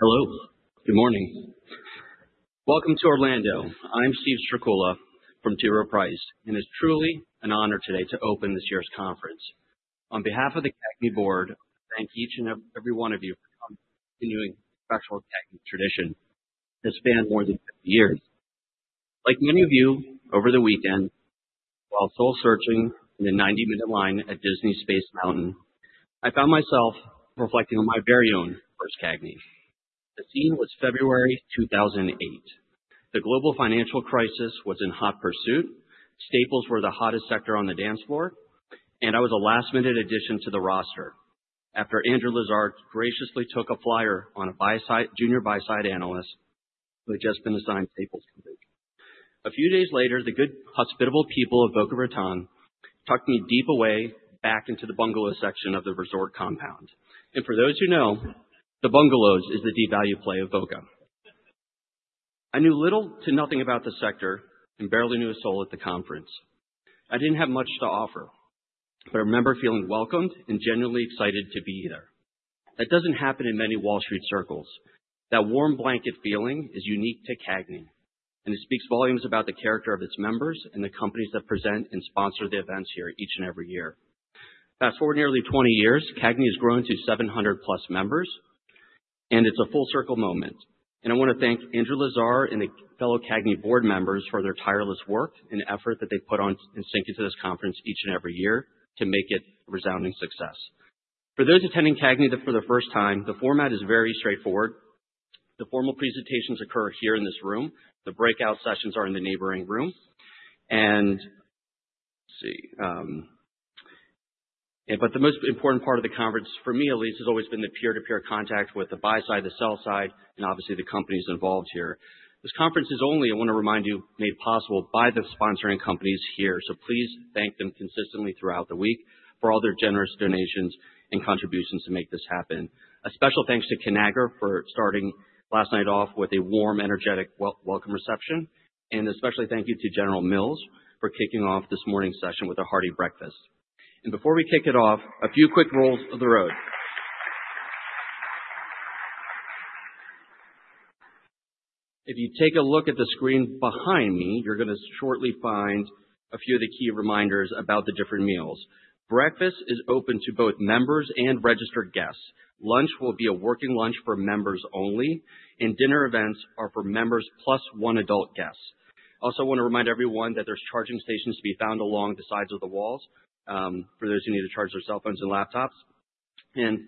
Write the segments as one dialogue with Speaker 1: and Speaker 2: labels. Speaker 1: Hello, good morning. Welcome to Orlando. I'm Steve Strycula from T. Rowe Price, and it's truly an honor today to open this year's conference. On behalf of the CAGNY board, thank each and every one of you for continuing special CAGNY tradition that spans more than 50 years. Like many of you, over the weekend, while soul searching in the 90-minute line at Disney Space Mountain, I found myself reflecting on my very own first CAGNY. The scene was February 2008. The global financial crisis was in hot pursuit. Staples were the hottest sector on the dance floor, and I was a last-minute addition to the roster after Andrew Lazar graciously took a flyer on a buy side-- junior buy side analyst who had just been assigned Staples coverage. A few days later, the good, hospitable people of Boca Raton tucked me deep away, back into the bungalow section of the resort compound. And for those who know, the Bungalows is the deep value play of Boca. I knew little to nothing about the sector and barely knew a soul at the conference. I didn't have much to offer, but I remember feeling welcomed and genuinely excited to be there. That doesn't happen in many Wall Street circles. That warm blanket feeling is unique to CAGNY, and it speaks volumes about the character of its members and the companies that present and sponsor the events here each and every year. Fast forward nearly 20 years, CAGNY has grown to 700+ members, and it's a full circle moment. And I want to thank Andrew Lazar and the fellow CAGNY board members for their tireless work and effort that they put into this conference each and every year to make it a resounding success. For those attending CAGNY for the first time, the format is very straightforward. The formal presentations occur here in this room. The breakout sessions are in the neighboring room. And let's see, but the most important part of the conference, for me at least, has always been the peer-to-peer contact with the buy side, the sell side, and obviously the companies involved here. This conference is only, I want to remind you, made possible by the sponsoring companies here. So please thank them consistently throughout the week for all their generous donations and contributions to make this happen. A special thanks to Conagra for starting last night off with a warm, energetic welcome reception, and especially thank you to General Mills for kicking off this morning's session with a hearty breakfast. Before we kick it off, a few quick rules of the road. If you take a look at the screen behind me, you're gonna shortly find a few of the key reminders about the different meals. Breakfast is open to both members and registered guests. Lunch will be a working lunch for members only, and dinner events are for members plus one adult guest. I also want to remind everyone that there's charging stations to be found along the sides of the walls, for those who need to charge their cell phones and laptops.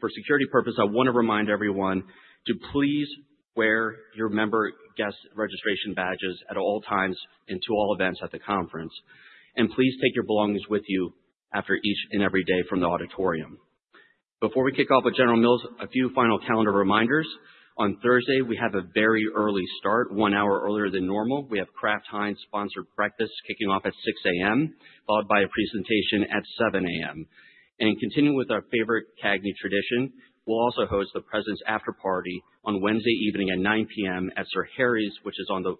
Speaker 1: For security purposes, I want to remind everyone to please wear your member guest registration badges at all times and to all events at the conference. Please take your belongings with you after each and every day from the auditorium. Before we kick off with General Mills, a few final calendar reminders. On Thursday, we have a very early start, one hour earlier than normal. We have Kraft Heinz sponsored breakfast kicking off at 6:00 A.M., followed by a presentation at 7:00 A.M. Continuing with our favorite CAGNY tradition, we'll also host the president's after-party on Wednesday evening at 9:00 P.M. at Sir Harry's, which is on the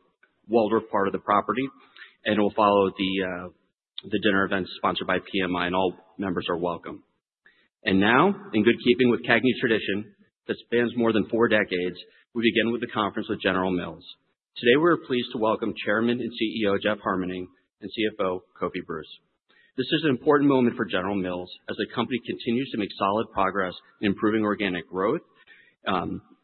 Speaker 1: Waldorf part of the property, and it will follow the dinner event sponsored by PMI, and all members are welcome. And now, in good keeping with CAGNY tradition that spans more than four decades, we begin with the conference with General Mills. Today, we are pleased to welcome Chairman and CEO, Jeff Harmening, and CFO, Kofi Bruce. This is an important moment for General Mills as the company continues to make solid progress in improving organic growth,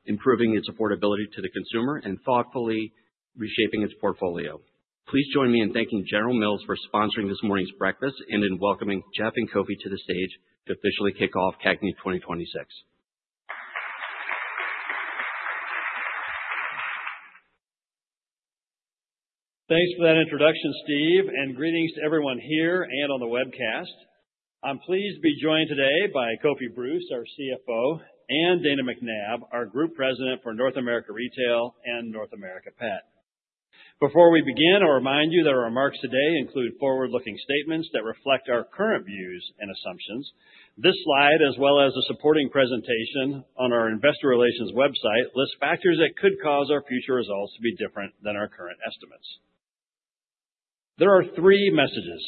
Speaker 1: improving its affordability to the consumer, and thoughtfully reshaping its portfolio. Please join me in thanking General Mills for sponsoring this morning's breakfast, and in welcoming Jeff and Kofi to the stage to officially kick off CAGNY 2026.
Speaker 2: Thanks for that introduction, Steve, and greetings to everyone here and on the webcast. I'm pleased to be joined today by Kofi Bruce, our CFO, and Dana McNabb, our Group President for North America Retail and North America Pet. Before we begin, I'll remind you that our remarks today include forward-looking statements that reflect our current views and assumptions. This slide, as well as a supporting presentation on our investor relations website, lists factors that could cause our future results to be different than our current estimates. There are three messages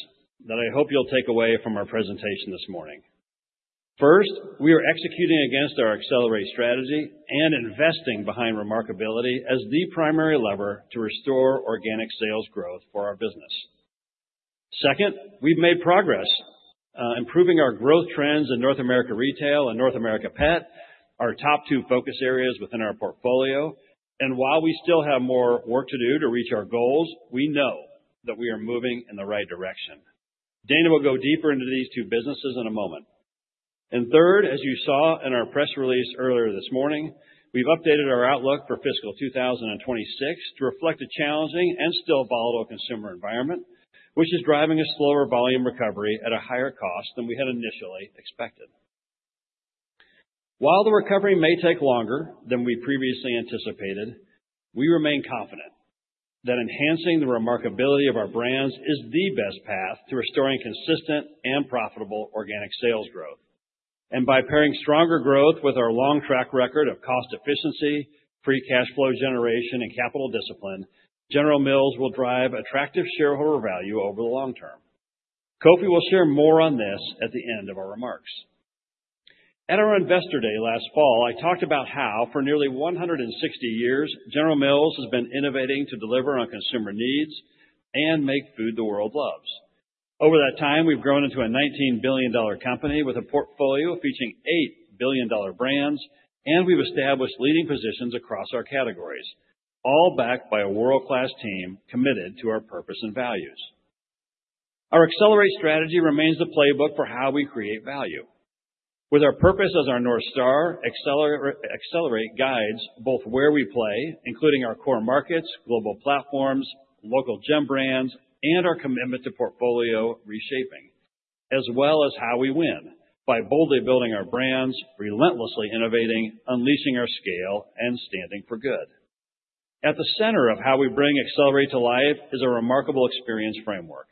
Speaker 2: that I hope you'll take away from our presentation this morning. First, we are executing against our Accelerate Strategy and investing behind Remarkability as the primary lever to restore organic sales growth for our business. Second, we've made progress improving our growth trends in North America Retail and North America Pet, our top two focus areas within our portfolio. While we still have more work to do to reach our goals, we know that we are moving in the right direction. Dana will go deeper into these two businesses in a moment. Third, as you saw in our press release earlier this morning, we've updated our outlook for fiscal 2026 to reflect a challenging and still volatile consumer environment, which is driving a slower volume recovery at a higher cost than we had initially expected. While the recovery may take longer than we previously anticipated, we remain confident that enhancing the remarkability of our brands is the best path to restoring consistent and profitable organic sales growth. By pairing stronger growth with our long track record of cost efficiency, free cash flow generation, and capital discipline, General Mills will drive attractive shareholder value over the long term. Kofi will share more on this at the end of our remarks. At our Investor Day last fall, I talked about how, for nearly 160 years, General Mills has been innovating to deliver on consumer needs and make food the world loves. Over that time, we've grown into a $19 billion company with a portfolio featuring eight billion-dollar brands, and we've established leading positions across our categories, all backed by a world-class team committed to our purpose and values. Our Accelerate Strategy remains the playbook for how we create value. With our purpose as our North Star, Accelerate guides both where we play, including our core markets, global platforms, local gem brands, and our commitment to portfolio reshaping, as well as how we win by boldly building our brands, relentlessly innovating, unleashing our scale, and standing for good. At the center of how we bring Accelerate to life is a remarkability framework.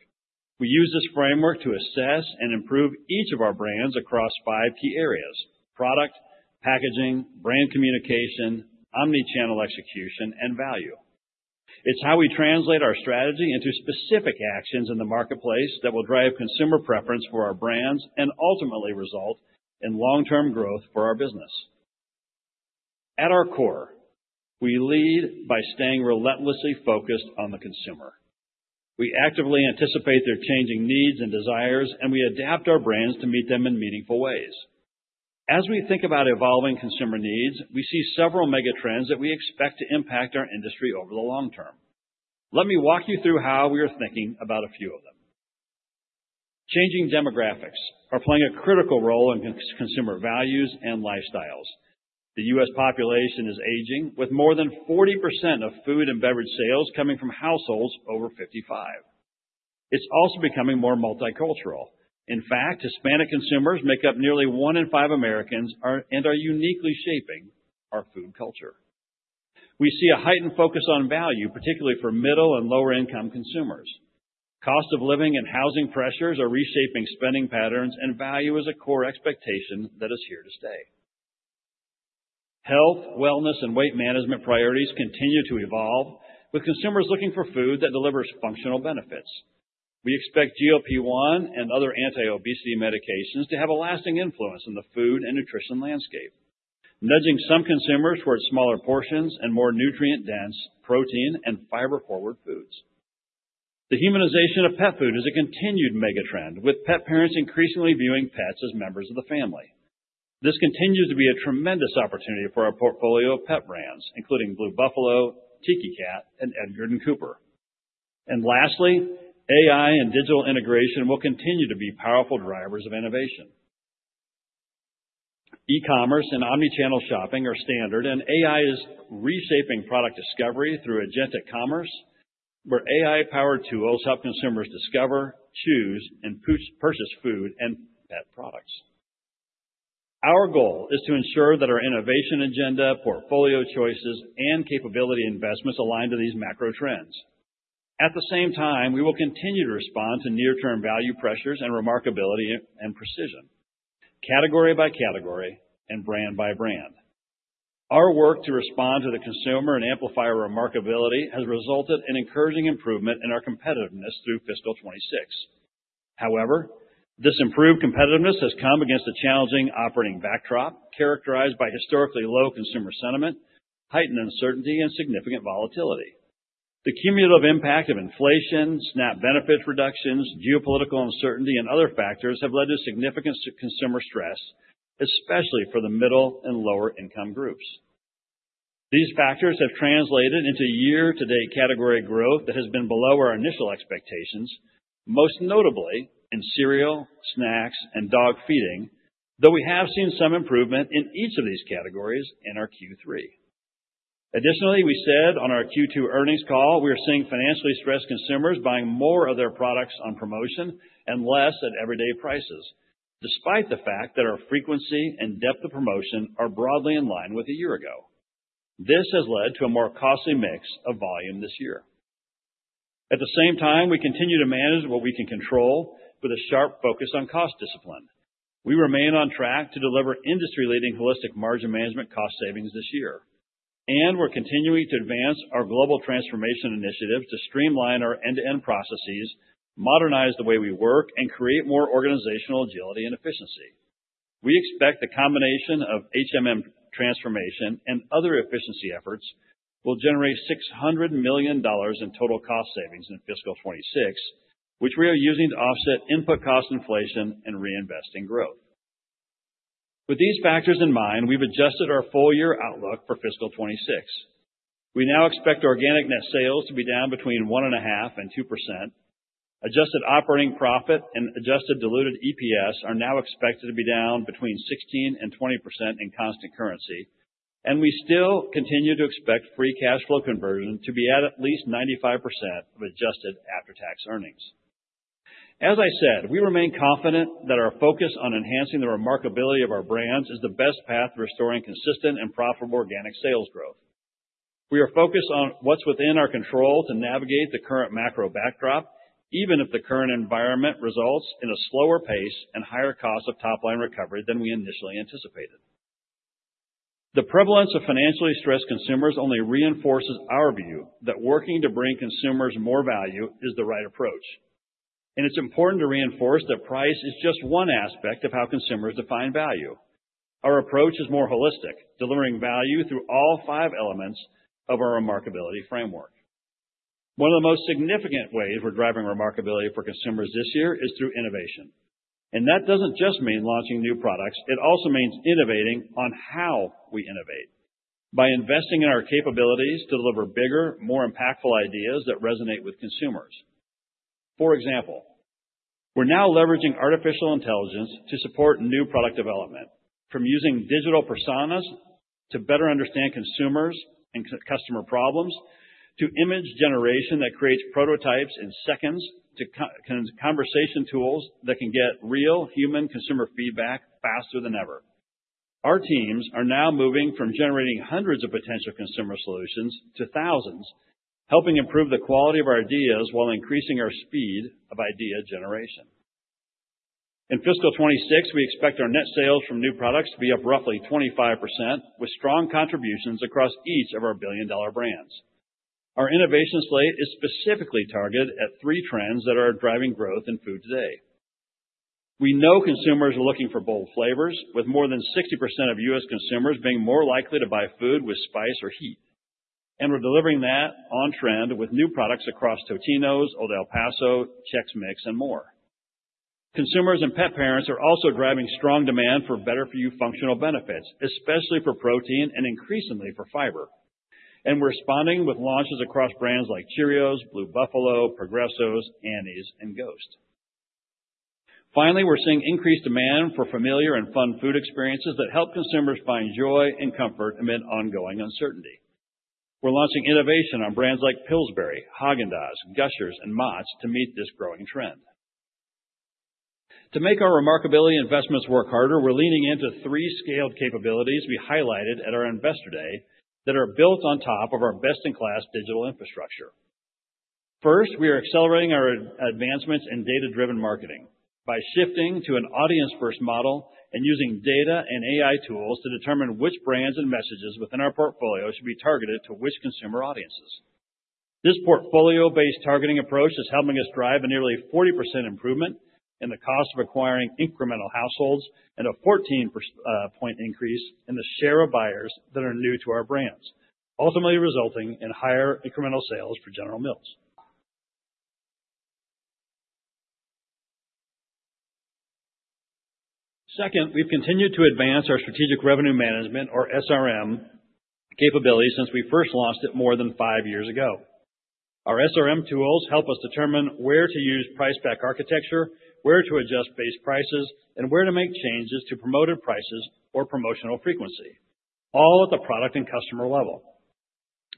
Speaker 2: We use this framework to assess and improve each of our brands across five key areas: product, packaging, brand communication, omni-channel execution, and value. It's how we translate our strategy into specific actions in the marketplace that will drive consumer preference for our brands and ultimately result in long-term growth for our business. At our core, we lead by staying relentlessly focused on the consumer. We actively anticipate their changing needs and desires, and we adapt our brands to meet them in meaningful ways. As we think about evolving consumer needs, we see several mega trends that we expect to impact our industry over the long term. Let me walk you through how we are thinking about a few of them. Changing demographics are playing a critical role in consumer values and lifestyles. The U.S. population is aging, with more than 40% of food and beverage sales coming from households over 55. It's also becoming more multicultural. In fact, Hispanic consumers make up nearly one in five Americans and are uniquely shaping our food culture. We see a heightened focus on value, particularly for middle and lower-income consumers. Cost of living and housing pressures are reshaping spending patterns, and value is a core expectation that is here to stay. Health, wellness, and weight management priorities continue to evolve, with consumers looking for food that delivers functional benefits. We expect GLP-1 and other anti-obesity medications to have a lasting influence on the food and nutrition landscape, nudging some consumers towards smaller portions and more nutrient-dense protein and fiber-forward foods. The humanization of pet food is a continued mega trend, with pet parents increasingly viewing pets as members of the family. This continues to be a tremendous opportunity for our portfolio of pet brands, including Blue Buffalo, Tiki Cat, and Edgard & Cooper. And lastly, AI and digital integration will continue to be powerful drivers of innovation. E-commerce and omni-channel shopping are standard, and AI is reshaping product discovery through agentic commerce, where AI-powered tools help consumers discover, choose, and purchase food and pet products. Our goal is to ensure that our innovation agenda, portfolio choices, and capability investments align to these macro trends. At the same time, we will continue to respond to near-term value pressures and remarkability and precision, category by category and brand by brand. Our work to respond to the consumer and amplify our remarkability has resulted in encouraging improvement in our competitiveness through fiscal 2026. However, this improved competitiveness has come against a challenging operating backdrop, characterized by historically low consumer sentiment, heightened uncertainty, and significant volatility. The cumulative impact of inflation, SNAP benefit reductions, geopolitical uncertainty, and other factors have led to significant consumer stress, especially for the middle and lower-income groups. These factors have translated into year-to-date category growth that has been below our initial expectations, most notably in cereal, snacks, and dog feeding, though we have seen some improvement in each of these categories in our Q3. Additionally, we said on our Q2 earnings call, we are seeing financially stressed consumers buying more of their products on promotion and less at everyday prices, despite the fact that our frequency and depth of promotion are broadly in line with a year ago. This has led to a more costly mix of volume this year. At the same time, we continue to manage what we can control with a sharp focus on cost discipline. We remain on track to deliver industry-leading Holistic Margin Management cost savings this year, and we're continuing to advance our global transformation initiative to streamline our end-to-end processes, modernize the way we work, and create more organizational agility and efficiency. We expect the combination of HMM transformation and other efficiency efforts will generate $600 million in total cost savings in fiscal 2026, which we are using to offset input cost inflation and reinvest in growth. With these factors in mind, we've adjusted our full-year outlook for fiscal 2026. We now expect organic net sales to be down between 1.5% and 2%. Adjusted operating profit and adjusted diluted EPS are now expected to be down between 16% and 20% in constant currency, and we still continue to expect free cash flow conversion to be at least 95% of adjusted after-tax earnings. As I said, we remain confident that our focus on enhancing the remarkability of our brands is the best path to restoring consistent and profitable organic sales growth. We are focused on what's within our control to navigate the current macro backdrop, even if the current environment results in a slower pace and higher cost of top-line recovery than we initially anticipated... The prevalence of financially stressed consumers only reinforces our view that working to bring consumers more value is the right approach. It's important to reinforce that price is just one aspect of how consumers define value. Our approach is more holistic, delivering value through all five elements of our remarkability framework. One of the most significant ways we're driving remarkability for consumers this year is through innovation, and that doesn't just mean launching new products. It also means innovating on how we innovate, by investing in our capabilities to deliver bigger, more impactful ideas that resonate with consumers. For example, we're now leveraging artificial intelligence to support new product development, from using digital personas to better understand consumers and customer problems, to image generation that creates prototypes in seconds, to conversation tools that can get real human consumer feedback faster than ever. Our teams are now moving from generating hundreds of potential consumer solutions to thousands, helping improve the quality of our ideas while increasing our speed of idea generation. In fiscal 2026, we expect our net sales from new products to be up roughly 25%, with strong contributions across each of our billion-dollar brands. Our innovation slate is specifically targeted at three trends that are driving growth in food today. We know consumers are looking for bold flavors, with more than 60% of U.S. consumers being more likely to buy food with spice or heat, and we're delivering that on trend with new products across Totino's, Old El Paso, Chex Mix, and more. Consumers and pet parents are also driving strong demand for better-for-you functional benefits, especially for protein and increasingly for fiber. We're responding with launches across brands like Cheerios, Blue Buffalo, Progresso, Annie's, and Ghost. Finally, we're seeing increased demand for familiar and fun food experiences that help consumers find joy and comfort amid ongoing uncertainty. We're launching innovation on brands like Pillsbury, Häagen-Dazs, Gushers, and Mott's to meet this growing trend. To make our remarkability investments work harder, we're leaning into three scaled capabilities we highlighted at our Investor Day that are built on top of our best-in-class digital infrastructure. First, we are accelerating our advancements in data-driven marketing by shifting to an audience-first model and using data and AI tools to determine which brands and messages within our portfolio should be targeted to which consumer audiences. This portfolio-based targeting approach is helping us drive a nearly 40% improvement in the cost of acquiring incremental households and a 14-point increase in the share of buyers that are new to our brands, ultimately resulting in higher incremental sales for General Mills. Second, we've continued to advance our strategic revenue management or SRM capabilities since we first launched it more than 5 years ago. Our SRM tools help us determine where to use price pack architecture, where to adjust base prices, and where to make changes to promoted prices or promotional frequency, all at the product and customer level.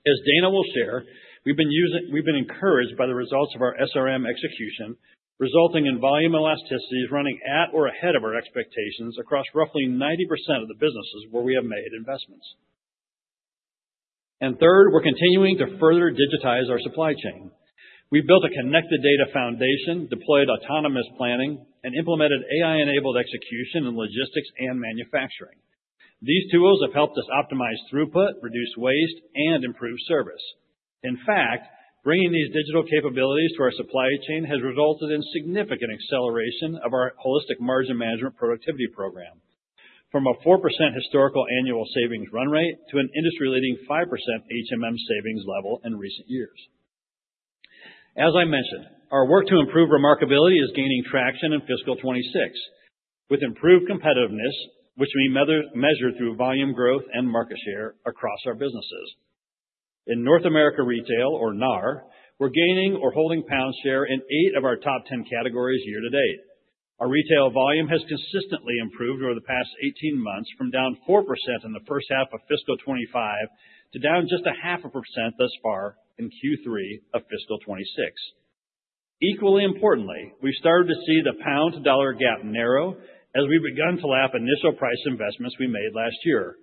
Speaker 2: As Dana will share, we've been encouraged by the results of our SRM execution, resulting in volume elasticities running at or ahead of our expectations across roughly 90% of the businesses where we have made investments. Third, we're continuing to further digitize our supply chain. We built a connected data foundation, deployed autonomous planning, and implemented AI-enabled execution in logistics and manufacturing. These tools have helped us optimize throughput, reduce waste, and improve service. In fact, bringing these digital capabilities to our supply chain has resulted in significant acceleration of our Holistic Margin Management productivity program from a 4% historical annual savings run rate to an industry-leading 5% HMM savings level in recent years. As I mentioned, our work to improve remarkability is gaining traction in fiscal 2026, with improved competitiveness, which we measure through volume growth and market share across our businesses. In North America Retail, or NAR, we're gaining or holding pound share in eight of our top 10 categories year to date. Our retail volume has consistently improved over the past 18 months, from down 4% in the first half of fiscal 2025 to down just 0.5% thus far in Q3 of fiscal 2026. Equally importantly, we've started to see the pound-to-dollar gap narrow as we've begun to lap initial price investments we made last year,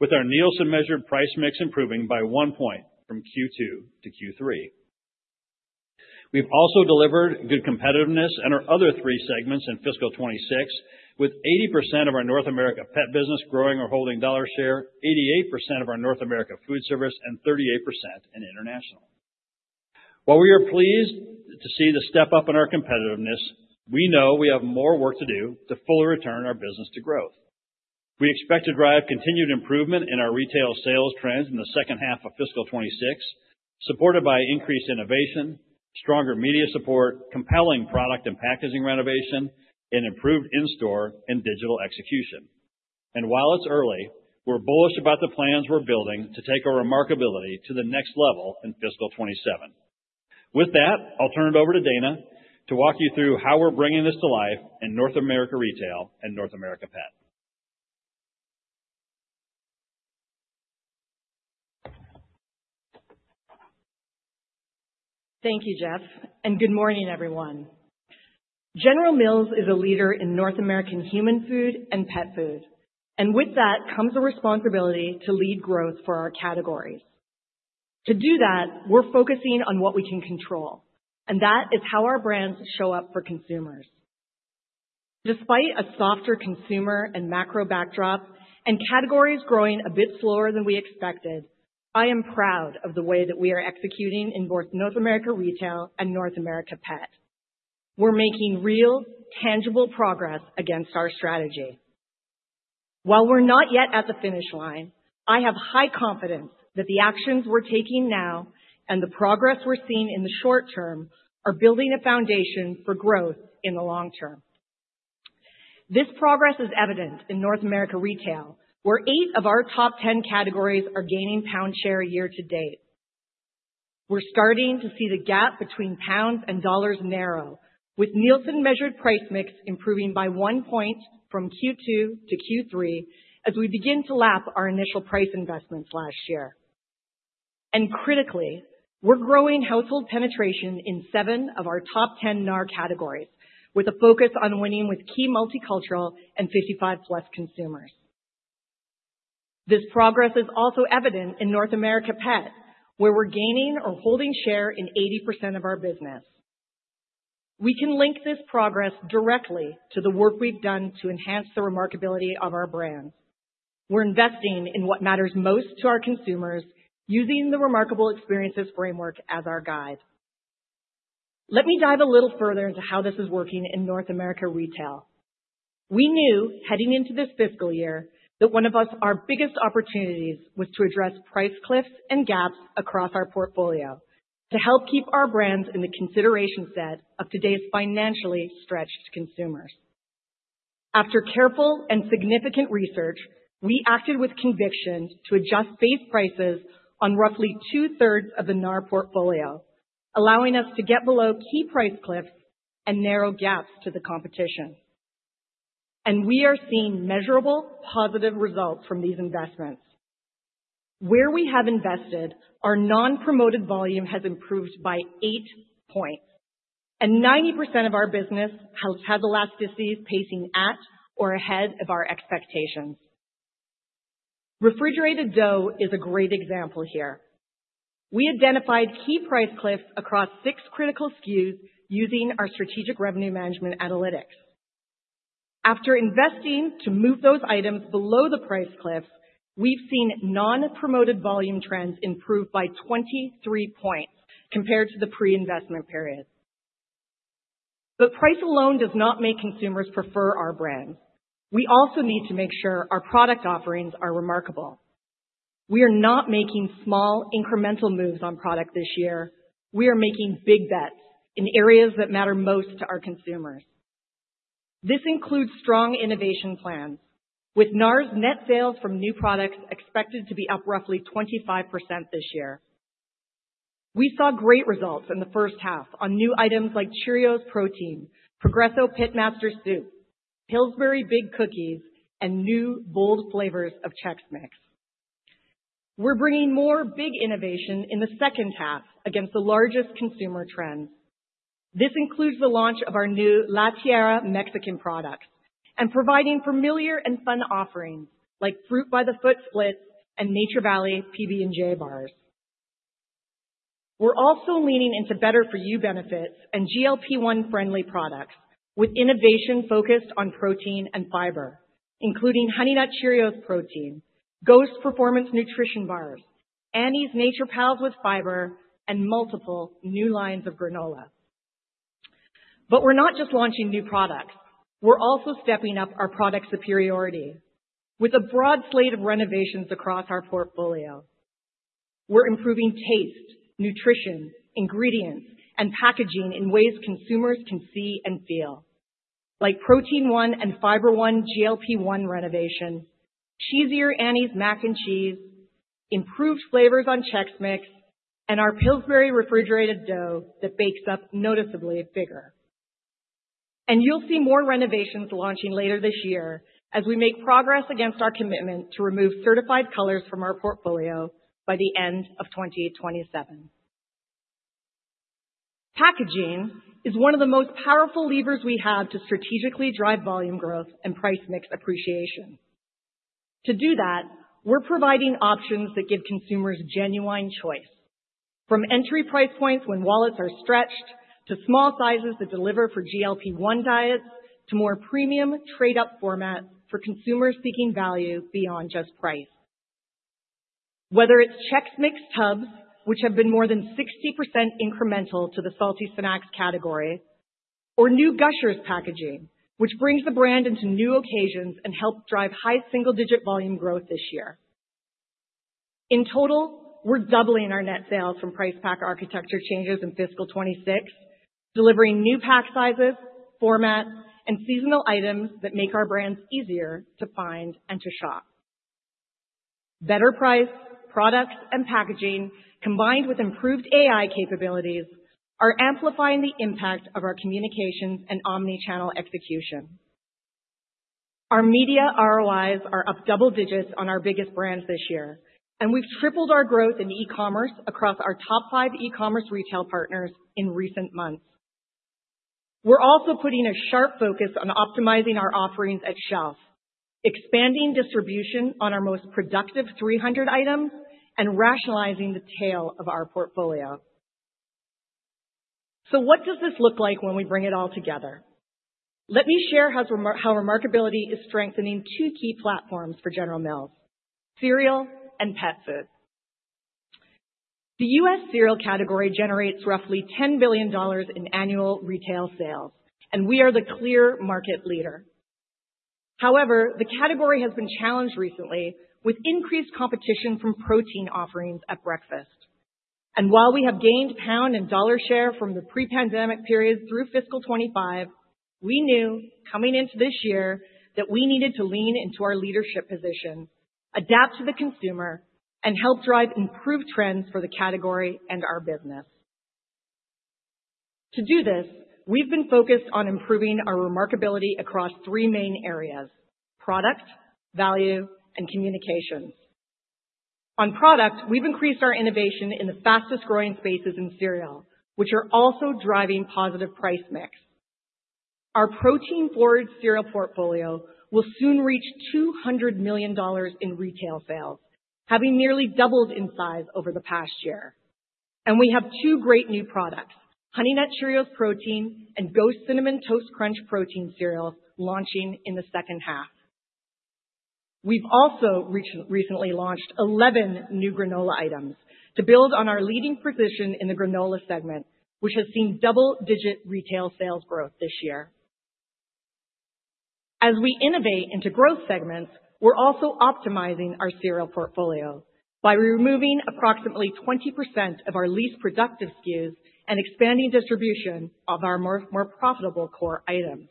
Speaker 2: with our Nielsen-measured price mix improving by 1 point from Q2 to Q3. We've also delivered good competitiveness in our other three segments in fiscal 2026, with 80% of our North America pet business growing or holding dollar share, 88% of our North America Foodservice, and 38% in International. While we are pleased to see the step-up in our competitiveness, we know we have more work to do to fully return our business to growth. We expect to drive continued improvement in our retail sales trends in the second half of fiscal 2026, supported by increased innovation, stronger media support, compelling product and packaging renovation, and improved in-store and digital execution. And while it's early, we're bullish about the plans we're building to take our remarkability to the next level in fiscal 2027. With that, I'll turn it over to Dana to walk you through how we're bringing this to life in North America retail and North America pet.
Speaker 3: Thank you, Jeff, and good morning, everyone. General Mills is a leader in North American human food and pet food, and with that comes a responsibility to lead growth for our categories. To do that, we're focusing on what we can control, and that is how our brands show up for consumers.... Despite a softer consumer and macro backdrop and categories growing a bit slower than we expected, I am proud of the way that we are executing in both North America Retail and North America Pet. We're making real, tangible progress against our strategy. While we're not yet at the finish line, I have high confidence that the actions we're taking now and the progress we're seeing in the short term, are building a foundation for growth in the long term. This progress is evident in North America Retail, where eight of our top 10 categories are gaining pound share year to date. We're starting to see the gap between pounds and dollars narrow, with Nielsen-measured price mix improving by one point from Q2 to Q3 as we begin to lap our initial price investments last year. And critically, we're growing household penetration in seven of our top 10 NAR categories, with a focus on winning with key multicultural and 55-plus consumers. This progress is also evident in North America Pet, where we're gaining or holding share in 80% of our business. We can link this progress directly to the work we've done to enhance the remarkability of our brands. We're investing in what matters most to our consumers, using the remarkability framework as our guide. Let me dive a little further into how this is working in North America Retail. We knew, heading into this fiscal year, that one of our biggest opportunities was to address price cliffs and gaps across our portfolio, to help keep our brands in the consideration set of today's financially stretched consumers. After careful and significant research, we acted with conviction to adjust base prices on roughly two-thirds of the NAR portfolio, allowing us to get below key price cliffs and narrow gaps to the competition. And we are seeing measurable, positive results from these investments. Where we have invested, our non-promoted volume has improved by eight points, and 90% of our business has elasticity pacing at or ahead of our expectations. Refrigerated dough is a great example here. We identified key price cliffs across six critical SKUs using our strategic revenue management analytics. After investing to move those items below the price cliffs, we've seen non-promoted volume trends improve by 23 points compared to the pre-investment period. But price alone does not make consumers prefer our brands. We also need to make sure our product offerings are remarkable. We are not making small, incremental moves on product this year. We are making big bets in areas that matter most to our consumers. This includes strong innovation plans, with NAR's net sales from new products expected to be up roughly 25% this year. We saw great results in the first half on new items like Cheerios Protein, Progresso Pit Master Soup, Pillsbury Big Cookies, and new bold flavors of Chex Mix. We're bringing more big innovation in the second half against the largest consumer trends. This includes the launch of our new La Tierra Mexican products and providing familiar and fun offerings like Fruit by the Foot Splits and Nature Valley PB&J bars. We're also leaning into better for you benefits and GLP-1 friendly products, with innovation focused on protein and fiber, including Honey Nut Cheerios Protein, Ghost Performance nutrition bars, Annie's Nature Pals with fiber, and multiple new lines of granola. But we're not just launching new products, we're also stepping up our product superiority with a broad slate of renovations across our portfolio. We're improving taste, nutrition, ingredients, and packaging in ways consumers can see and feel, like Protein One and Fiber One GLP-1 renovation, cheesier Annie's Mac and Cheese, improved flavors on Chex Mix, and our Pillsbury refrigerated dough that bakes up noticeably bigger. You'll see more renovations launching later this year as we make progress against our commitment to remove certified colors from our portfolio by the end of 2027. Packaging is one of the most powerful levers we have to strategically drive volume growth and price mix appreciation. To do that, we're providing options that give consumers genuine choice, from entry price points when wallets are stretched, to small sizes that deliver for GLP-1 diets, to more premium trade-up formats for consumers seeking value beyond just price. Whether it's Chex Mix tubs, which have been more than 60% incremental to the salty snacks category, or new Gushers packaging, which brings the brand into new occasions and helps drive high single-digit volume growth this year. In total, we're doubling our net sales from price pack architecture changes in fiscal 2026, delivering new pack sizes, formats, and seasonal items that make our brands easier to find and to shop. Better price, products, and packaging, combined with improved AI capabilities, are amplifying the impact of our communications and omni-channel execution. Our media ROIs are up double digits on our biggest brands this year, and we've tripled our growth in e-commerce across our top 5 e-commerce retail partners in recent months. We're also putting a sharp focus on optimizing our offerings at shelf, expanding distribution on our most productive 300 items, and rationalizing the tail of our portfolio.... So what does this look like when we bring it all together? Let me share how Remarkability is strengthening two key platforms for General Mills: cereal and pet food. The U.S. cereal category generates roughly $10 billion in annual retail sales, and we are the clear market leader. However, the category has been challenged recently with increased competition from protein offerings at breakfast. And while we have gained pound and dollar share from the pre-pandemic period through fiscal 2025, we knew coming into this year, that we needed to lean into our leadership position, adapt to the consumer, and help drive improved trends for the category and our business. To do this, we've been focused on improving our remarkability across three main areas: product, value, and communications. On product, we've increased our innovation in the fastest growing spaces in cereal, which are also driving positive price mix. Our protein-forward cereal portfolio will soon reach $200 million in retail sales, having nearly doubled in size over the past year. And we have 2 great new products, Honey Nut Cheerios Protein and Ghost Cinnamon Toast Crunch Protein cereal, launching in the second half. We've also recently launched 11 new granola items to build on our leading position in the granola segment, which has seen double-digit retail sales growth this year. As we innovate into growth segments, we're also optimizing our cereal portfolio by removing approximately 20% of our least productive SKUs and expanding distribution of our more profitable core items.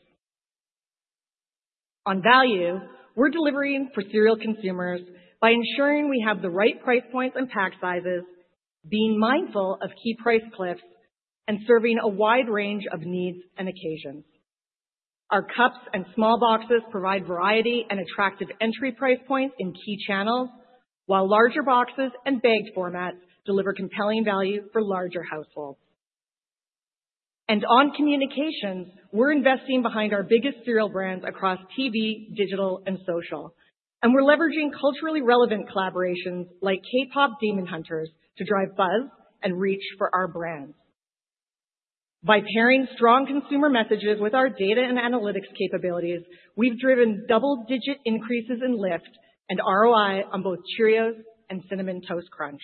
Speaker 3: On value, we're delivering for cereal consumers by ensuring we have the right price points and pack sizes, being mindful of key price cliffs, and serving a wide range of needs and occasions. Our cups and small boxes provide variety and attractive entry price points in key channels, while larger boxes and bagged formats deliver compelling value for larger households. On communications, we're investing behind our biggest cereal brands across TV, digital, and social. We're leveraging culturally relevant collaborations, like K-pop, Demon Slayer, to drive buzz and reach for our brands. By pairing strong consumer messages with our data and analytics capabilities, we've driven double-digit increases in lift and ROI on both Cheerios and Cinnamon Toast Crunch.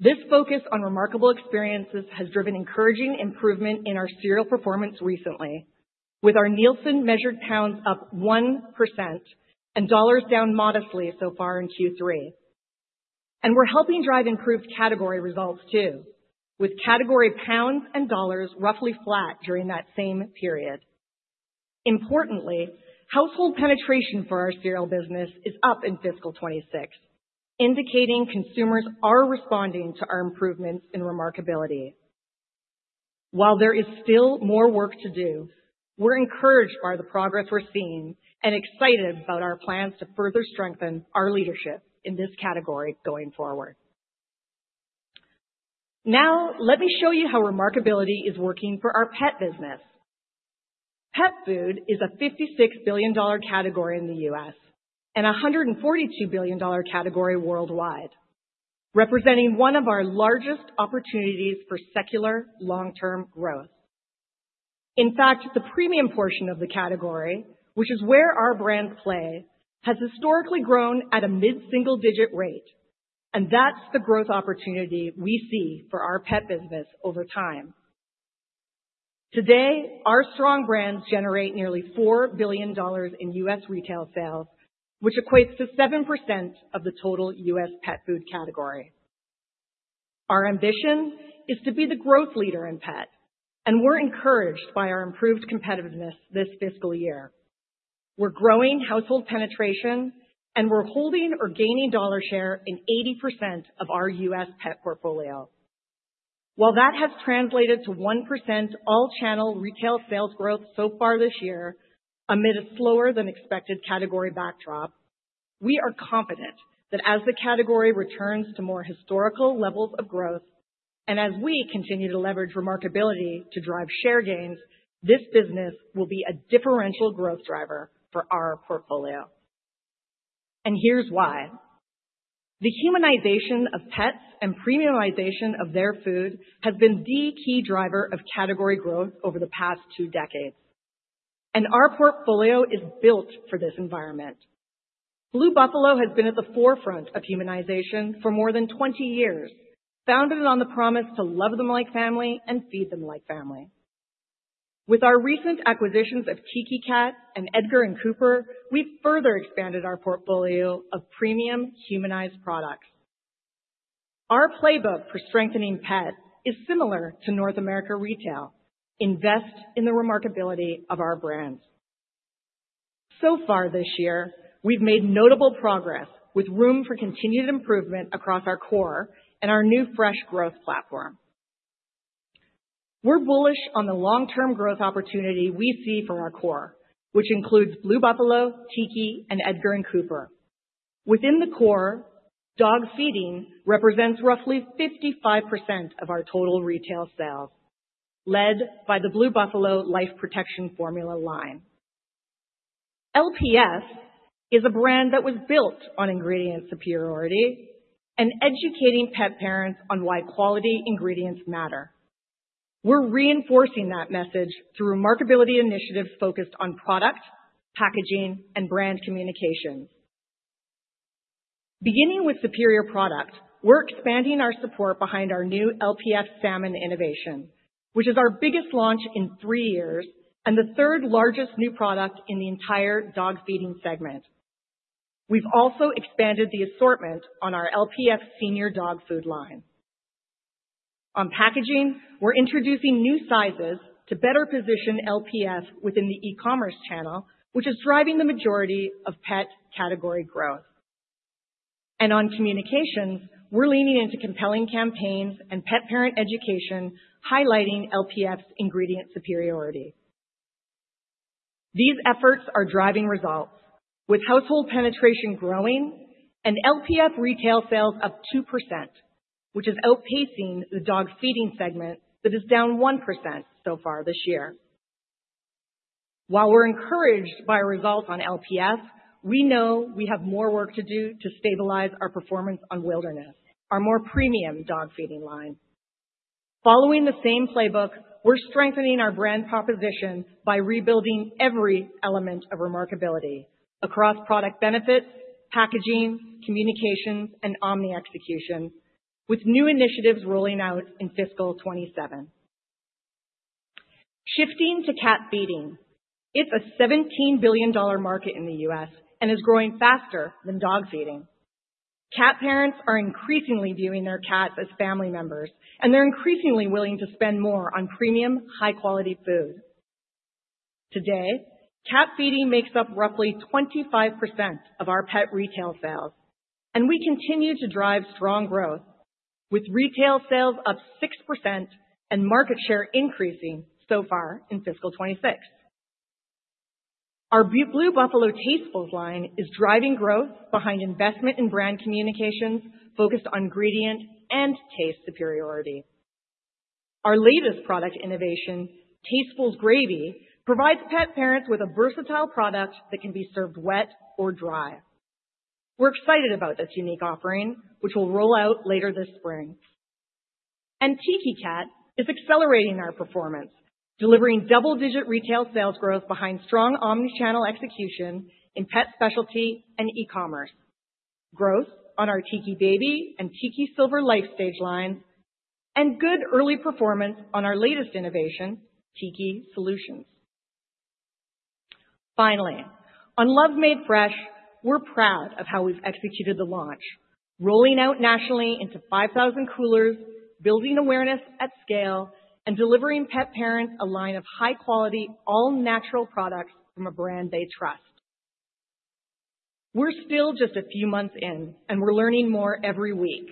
Speaker 3: This focus on remarkable experiences has driven encouraging improvement in our cereal performance recently, with our Nielsen-measured pounds up 1% and dollars down modestly so far in Q3. We're helping drive improved category results, too, with category pounds and dollars roughly flat during that same period. Importantly, household penetration for our cereal business is up in fiscal 2026, indicating consumers are responding to our improvements in remarkability. While there is still more work to do, we're encouraged by the progress we're seeing and excited about our plans to further strengthen our leadership in this category going forward. Now, let me show you how Remarkability is working for our pet business. Pet food is a $56 billion category in the U.S. and a $142 billion category worldwide, representing one of our largest opportunities for secular long-term growth. In fact, the premium portion of the category, which is where our brands play, has historically grown at a mid-single digit rate, and that's the growth opportunity we see for our pet business over time. Today, our strong brands generate nearly $4 billion in U.S. retail sales, which equates to 7% of the total U.S. pet food category. Our ambition is to be the growth leader in pet, and we're encouraged by our improved competitiveness this fiscal year. We're growing household penetration, and we're holding or gaining dollar share in 80% of our U.S. pet portfolio. While that has translated to 1% all channel retail sales growth so far this year, amid a slower than expected category backdrop, we are confident that as the category returns to more historical levels of growth, and as we continue to leverage remarkability to drive share gains, this business will be a differential growth driver for our portfolio. And here's why: The humanization of pets and premiumization of their food has been the key driver of category growth over the past two decades, and our portfolio is built for this environment. Blue Buffalo has been at the forefront of humanization for more than 20 years, founded on the promise to love them like family and feed them like family. With our recent acquisitions of Tiki Cat and Edgard & Cooper, we've further expanded our portfolio of premium humanized products. Our playbook for strengthening pets is similar to North America Retail, invest in the remarkability of our brands. So far this year, we've made notable progress, with room for continued improvement across our core and our new fresh growth platform. We're bullish on the long-term growth opportunity we see from our core, which includes Blue Buffalo, Tiki, and Edgard & Cooper. Within the core, dog feeding represents roughly 55% of our total retail sales, led by the Blue Buffalo Life Protection Formula line. LPF is a brand that was built on ingredient superiority and educating pet parents on why quality ingredients matter. We're reinforcing that message through Remarkability initiative focused on product, packaging, and brand communications. Beginning with superior product, we're expanding our support behind our new LPF Salmon innovation, which is our biggest launch in three years and the third largest new product in the entire dog feeding segment. We've also expanded the assortment on our LPF senior dog food line. On packaging, we're introducing new sizes to better position LPF within the e-commerce channel, which is driving the majority of pet category growth. On communications, we're leaning into compelling campaigns and pet parent education, highlighting LPF's ingredient superiority. These efforts are driving results, with household penetration growing and LPF retail sales up 2%, which is outpacing the dog feeding segment that is down 1% so far this year. While we're encouraged by our results on LPF, we know we have more work to do to stabilize our performance on Wilderness, our more premium dog feeding line. Following the same playbook, we're strengthening our brand proposition by rebuilding every element of Remarkability across product benefits, packaging, communications, and omni execution, with new initiatives rolling out in fiscal 2027. Shifting to cat feeding. It's a $17 billion market in the U.S. and is growing faster than dog feeding. Cat parents are increasingly viewing their cats as family members, and they're increasingly willing to spend more on premium, high-quality food. Today, cat feeding makes up roughly 25% of our pet retail sales, and we continue to drive strong growth, with retail sales up 6% and market share increasing so far in fiscal 2026. Our Blue Buffalo Tastefuls line is driving growth behind investment in brand communications focused on ingredient and taste superiority. Our latest product innovation, Tastefuls Gravy, provides pet parents with a versatile product that can be served wet or dry. We're excited about this unique offering, which will roll out later this spring. Tiki Cat is accelerating our performance, delivering double-digit retail sales growth behind strong omni-channel execution in pet specialty and e-commerce, growth on our Tiki Baby and Tiki Silver Life Stage line, and good early performance on our latest innovation, Tiki Solutions. Finally, on Love Made Fresh, we're proud of how we've executed the launch, rolling out nationally into 5,000 coolers, building awareness at scale, and delivering pet parents a line of high-quality, all-natural products from a brand they trust. We're still just a few months in, and we're learning more every week.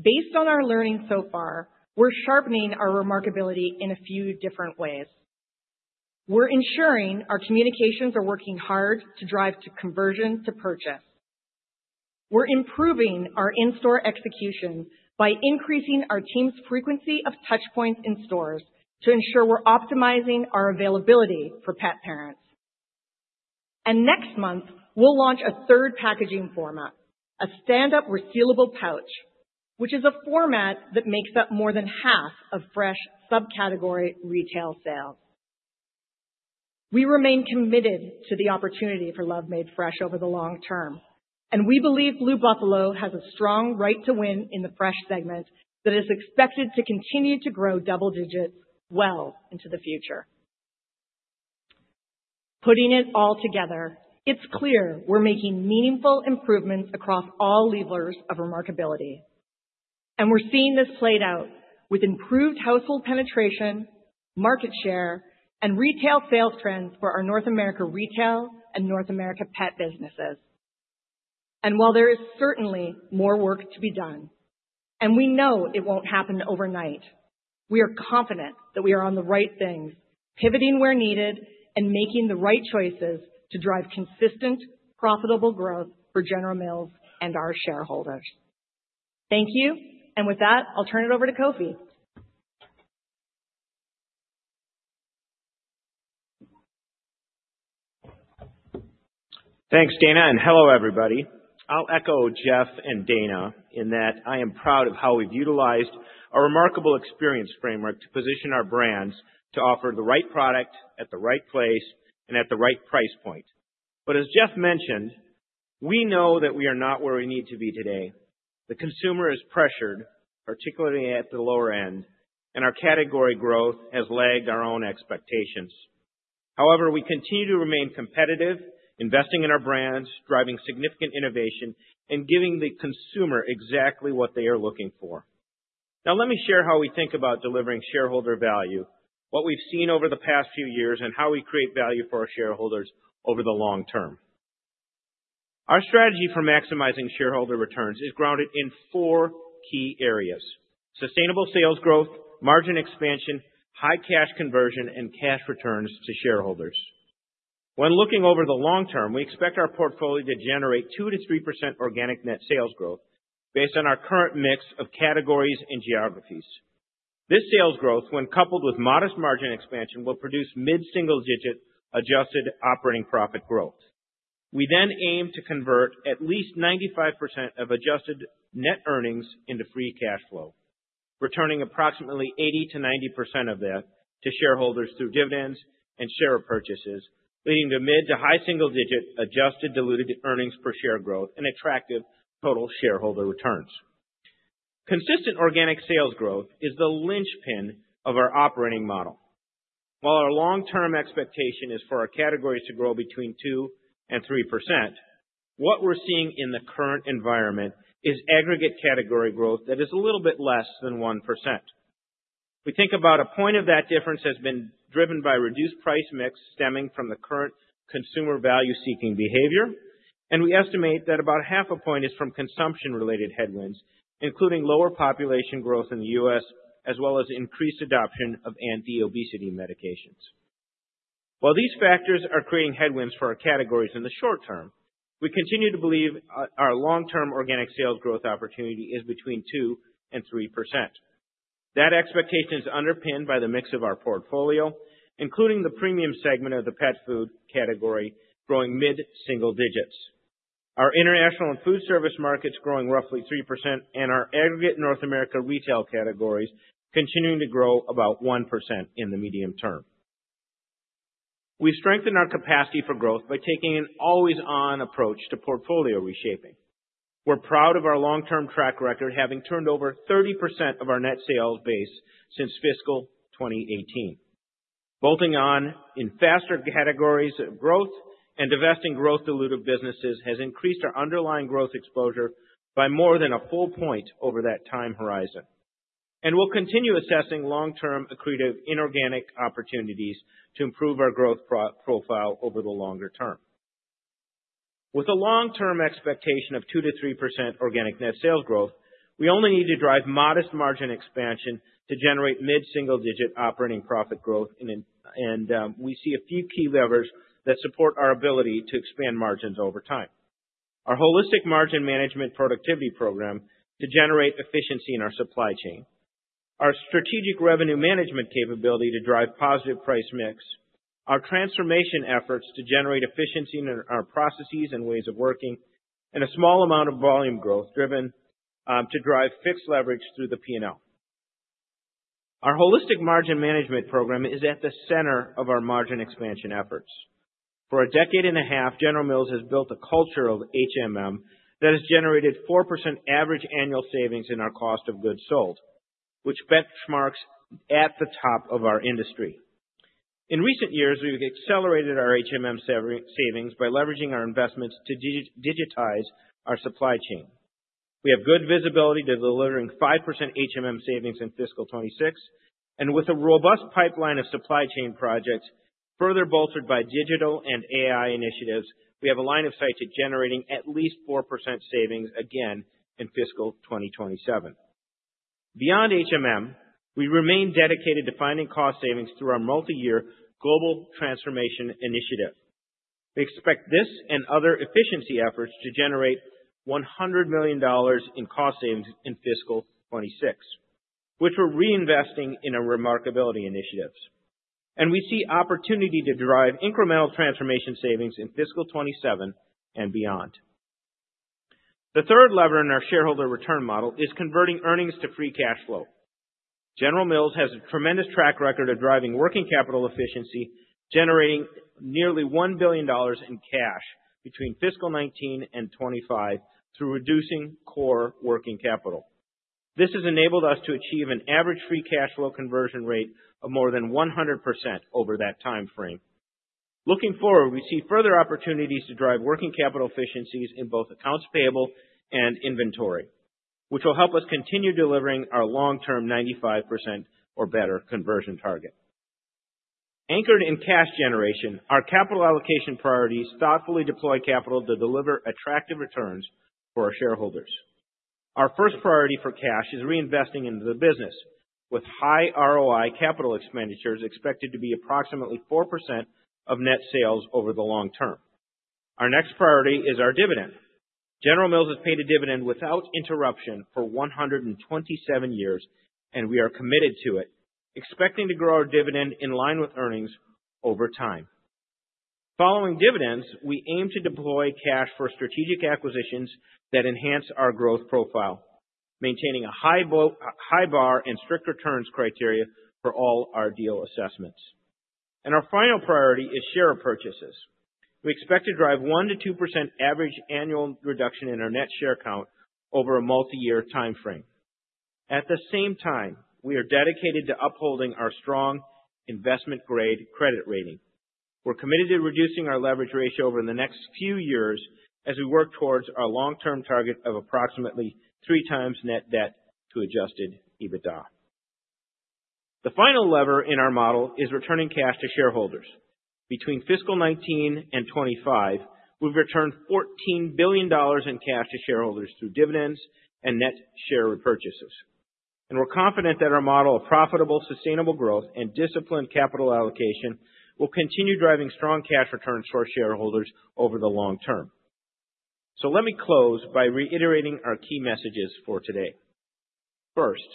Speaker 3: Based on our learning so far, we're sharpening our Remarkability in a few different ways. We're ensuring our communications are working hard to drive to conversion to purchase. We're improving our in-store execution by increasing our team's frequency of touch points in stores to ensure we're optimizing our availability for pet parents. And next month, we'll launch a third packaging format, a stand-up, resealable pouch, which is a format that makes up more than half of fresh subcategory retail sales. We remain committed to the opportunity for Love Made Fresh over the long term, and we believe Blue Buffalo has a strong right to win in the fresh segment that is expected to continue to grow double digits well into the future. Putting it all together, it's clear we're making meaningful improvements across all levers of Remarkability. We're seeing this played out with improved household penetration, market share, and retail sales trends for our North America Retail and North America Pet businesses. While there is certainly more work to be done, and we know it won't happen overnight, we are confident that we are on the right things, pivoting where needed and making the right choices to drive consistent, profitable growth for General Mills and our shareholders. Thank you, and with that, I'll turn it over to Kofi.
Speaker 4: Thanks, Dana, and hello, everybody. I'll echo Jeff and Dana in that I am proud of how we've utilized our remarkability framework to position our brands to offer the right product at the right place and at the right price point. But as Jeff mentioned, we know that we are not where we need to be today. The consumer is pressured, particularly at the lower end, and our category growth has lagged our own expectations. However, we continue to remain competitive, investing in our brands, driving significant innovation, and giving the consumer exactly what they are looking for. Now, let me share how we think about delivering shareholder value, what we've seen over the past few years, and how we create value for our shareholders over the long term. Our strategy for maximizing shareholder returns is grounded in four key areas: sustainable sales growth, margin expansion, high cash conversion, and cash returns to shareholders. When looking over the long term, we expect our portfolio to generate 2%-3% organic net sales growth based on our current mix of categories and geographies.... This sales growth, when coupled with modest margin expansion, will produce mid-single digit adjusted operating profit growth. We then aim to convert at least 95% of adjusted net earnings into free cash flow, returning approximately 80%-90% of that to shareholders through dividends and share purchases, leading to mid to high single digit adjusted diluted earnings per share growth and attractive total shareholder returns. Consistent organic sales growth is the linchpin of our operating model. While our long-term expectation is for our categories to grow between 2% and 3%, what we're seeing in the current environment is aggregate category growth that is a little bit less than 1%. We think about a point of that difference has been driven by reduced price mix stemming from the current consumer value-seeking behavior, and we estimate that about half a point is from consumption-related headwinds, including lower population growth in the U.S., as well as increased adoption of anti-obesity medications. While these factors are creating headwinds for our categories in the short term, we continue to believe our long-term organic sales growth opportunity is between 2% and 3%. That expectation is underpinned by the mix of our portfolio, including the premium segment of the pet food category, growing mid-single digits. Our International and food service markets growing roughly 3%, and our aggregate North America retail categories continuing to grow about 1% in the medium term. We strengthen our capacity for growth by taking an always-on approach to portfolio reshaping. We're proud of our long-term track record, having turned over 30% of our net sales base since fiscal 2018. Bolting on in faster categories of growth and divesting growth dilutive businesses has increased our underlying growth exposure by more than a full point over that time horizon, and we'll continue assessing long-term accretive inorganic opportunities to improve our growth profile over the longer term. With a long-term expectation of 2%-3% organic net sales growth, we only need to drive modest margin expansion to generate mid-single digit operating profit growth, and we see a few key levers that support our ability to expand margins over time. Our holistic margin management productivity program to generate efficiency in our supply chain, our strategic revenue management capability to drive positive price mix, our transformation efforts to generate efficiency in our processes and ways of working, and a small amount of volume growth driven to drive fixed leverage through the P&L. Our holistic margin management program is at the center of our margin expansion efforts. For a decade and a half, General Mills has built a culture of HMM that has generated 4% average annual savings in our cost of goods sold, which benchmarks at the top of our industry. In recent years, we've accelerated our HMM savings by leveraging our investments to digitize our supply chain. We have good visibility to delivering 5% HMM savings in fiscal 2026, and with a robust pipeline of supply chain projects, further bolstered by digital and AI initiatives, we have a line of sight to generating at least 4% savings again in fiscal 2027. Beyond HMM, we remain dedicated to finding cost savings through our multi-year global transformation initiative. We expect this and other efficiency efforts to generate $100 million in cost savings in fiscal 2026, which we're reinvesting in our remarkability initiatives, and we see opportunity to drive incremental transformation savings in fiscal 2027 and beyond. The third lever in our shareholder return model is converting earnings to free cash flow. General Mills has a tremendous track record of driving working capital efficiency, generating nearly $1 billion in cash between fiscal 2019 and 2025 through reducing core working capital. This has enabled us to achieve an average free cash flow conversion rate of more than 100% over that time frame. Looking forward, we see further opportunities to drive working capital efficiencies in both accounts payable and inventory, which will help us continue delivering our long-term 95% or better conversion target. Anchored in cash generation, our capital allocation priorities thoughtfully deploy capital to deliver attractive returns for our shareholders. Our first priority for cash is reinvesting into the business, with high ROI capital expenditures expected to be approximately 4% of net sales over the long term. Our next priority is our dividend. General Mills has paid a dividend without interruption for 127 years, and we are committed to it, expecting to grow our dividend in line with earnings over time. Following dividends, we aim to deploy cash for strategic acquisitions that enhance our growth profile, maintaining a high bar and strict returns criteria for all our deal assessments. Our final priority is share repurchases. We expect to drive 1%-2% average annual reduction in our net share count over a multi-year time frame. At the same time, we are dedicated to upholding our strong investment-grade credit rating. We're committed to reducing our leverage ratio over the next few years as we work towards our long-term target of approximately 3x net debt to adjusted EBITDA. The final lever in our model is returning cash to shareholders. Between fiscal 2019 and 2025, we've returned $14 billion in cash to shareholders through dividends and net share repurchases, and we're confident that our model of profitable, sustainable growth and disciplined capital allocation will continue driving strong cash returns for our shareholders over the long term. So let me close by reiterating our key messages for today. First,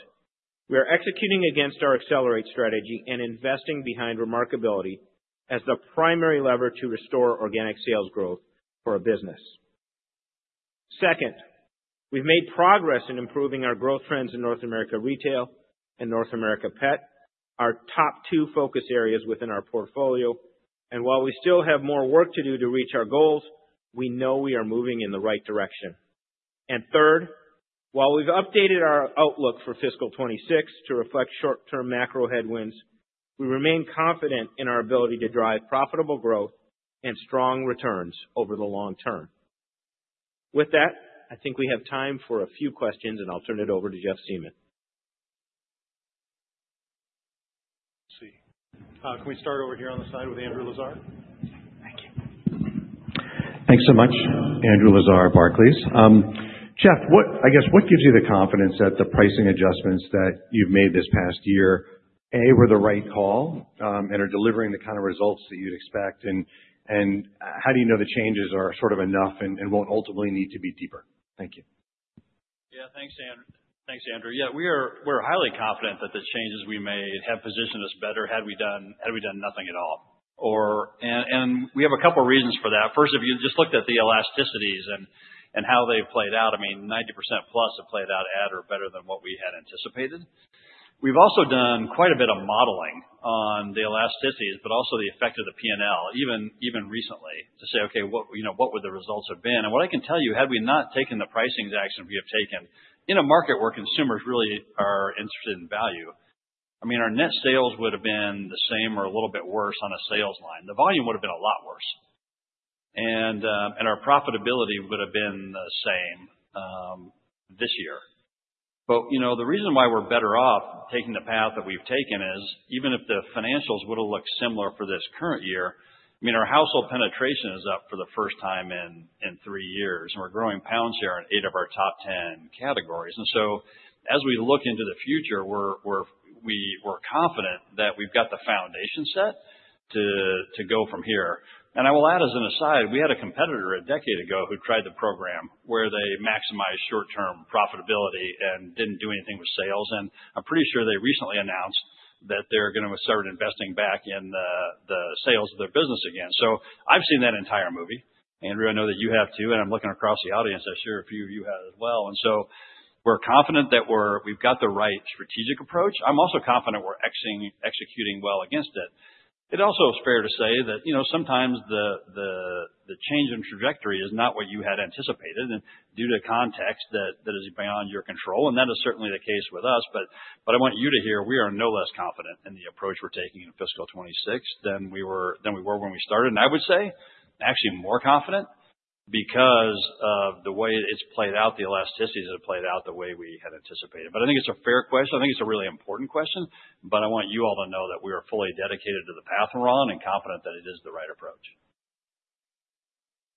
Speaker 4: we are executing against our Accelerate Strategy and investing behind Remarkability as the primary lever to restore organic sales growth for our business. Second, we've made progress in improving our growth trends in North America Retail and North America Pet, our top two focus areas within our portfolio. And while we still have more work to do to reach our goals, we know we are moving in the right direction. Third, while we've updated our outlook for fiscal 2026 to reflect short-term macro headwinds, we remain confident in our ability to drive profitable growth and strong returns over the long term. With that, I think we have time for a few questions, and I'll turn it over to Jeff Siemon.
Speaker 5: Let's see. Can we start over here on the side with Andrew Lazar? Thank you.
Speaker 6: Thanks so much. Andrew Lazar, Barclays. Jeff, what—I guess, what gives you the confidence that the pricing adjustments that you've made this past year, A, were the right call, and are delivering the kind of results that you'd expect? And, and how do you know the changes are sort of enough and, and won't ultimately need to be deeper? Thank you.
Speaker 2: Yeah, thanks, Andrew. Thanks, Andrew. Yeah, we are, we're highly confident that the changes we made have positioned us better, had we done, had we done nothing at all, or... And, and we have a couple reasons for that. First, if you just looked at the elasticities and, and how they played out, I mean, 90% plus have played out at or better than what we had anticipated. We've also done quite a bit of modeling on the elasticities, but also the effect of the P&L, even, even recently, to say, okay, what, you know, what would the results have been? And what I can tell you, had we not taken the pricing action we have taken, in a market where consumers really are interested in value, I mean, our net sales would have been the same or a little bit worse on a sales line. The volume would have been a lot worse. And our profitability would have been the same this year. But, you know, the reason why we're better off taking the path that we've taken is, even if the financials would have looked similar for this current year, I mean, our household penetration is up for the first time in three years, and we're growing pound share in eight of our top 10 categories. And so as we look into the future, we're confident that we've got the foundation set to go from here. And I will add, as an aside, we had a competitor a decade ago who tried the program, where they maximized short-term profitability and didn't do anything with sales. And I'm pretty sure they recently announced that they're gonna start investing back in the sales of their business again. So I've seen that entire movie. Andrew, I know that you have, too, and I'm looking across the audience. I'm sure a few of you have as well. And so we're confident that we've got the right strategic approach. I'm also confident we're executing well against it. It also is fair to say that, you know, sometimes the change in trajectory is not what you had anticipated and due to context that is beyond your control, and that is certainly the case with us. But I want you to hear, we are no less confident in the approach we're taking in fiscal 2026 than we were when we started. And I would say, actually more confident, because of the way it's played out. The elasticities have played out the way we had anticipated. But I think it's a fair question. I think it's a really important question, but I want you all to know that we are fully dedicated to the path we're on, and confident that it is the right approach.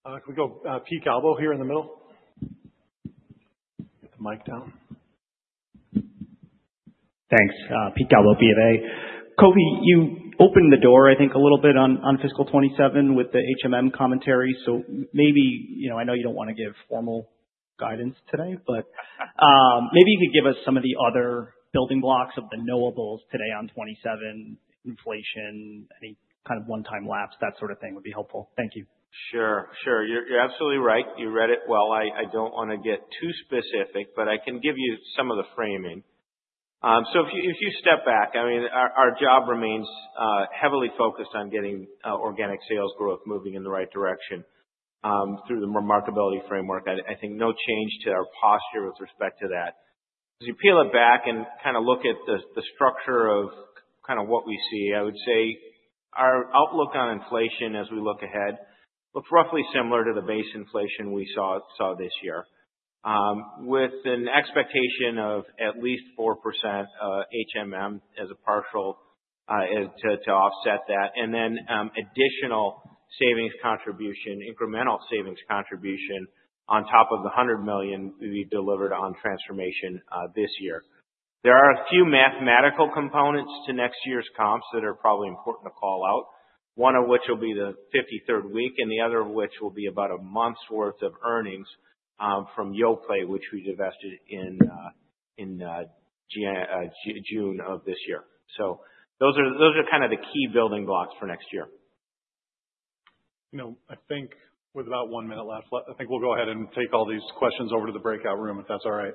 Speaker 5: Can we go, Pete Galbo, here in the middle? Get the mic down.
Speaker 7: Thanks. Pete Galbo, BofA. Kofi, you opened the door, I think, a little bit on, on fiscal 2027 with the HMM commentary. So maybe... You know, I know you don't want to give formal guidance today, but, maybe you could give us some of the other building blocks of the knowables today on 2027, inflation, any kind of one-time laps, that sort of thing would be helpful. Thank you.
Speaker 4: Sure, sure. You're, you're absolutely right. You read it well. I, I don't want to get too specific, but I can give you some of the framing. So if you, if you step back, I mean, our, our job remains heavily focused on getting organic sales growth moving in the right direction through the remarkability framework. I, I think no change to our posture with respect to that. As you peel it back and kind of look at the structure of kind of what we see, I would say our outlook on inflation as we look ahead looks roughly similar to the base inflation we saw this year. With an expectation of at least 4%, HMM as a partial to offset that, and then additional savings contribution, incremental savings contribution on top of the $100 million we delivered on transformation this year. There are a few mathematical components to next year's comps that are probably important to call out. One of which will be the 53rd week, and the other of which will be about a month's worth of earnings from Yoplait, which we divested in June of this year. So those are kind of the key building blocks for next year.
Speaker 5: You know, I think with about 1 minute left, I think we'll go ahead and take all these questions over to the breakout room, if that's all right?